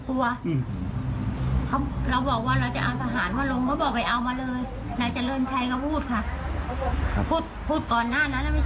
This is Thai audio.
ก่อนหน้านั้นค่ะ